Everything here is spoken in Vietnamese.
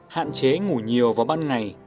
hạn chế ngủ nhiều vào ban ngày